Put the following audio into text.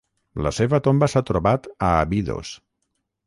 La seva tomba s'ha trobat a Abidos.